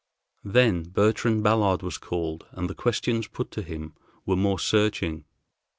Then Bertrand Ballard was called, and the questions put to him were more searching.